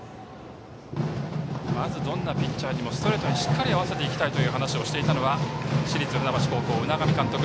まず、どんなピッチャーにもストレートにしっかり合わせていきたいという話をしていたのは市立船橋高校の海上監督。